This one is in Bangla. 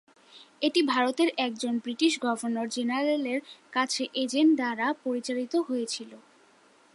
এটি ভারতের একজন ব্রিটিশ গভর্নর জেনারেলের কাছে এজেন্ট দ্বারা পরিচালিত হয়েছিল।